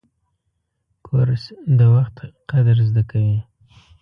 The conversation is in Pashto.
کورس د وخت قدر زده کوي.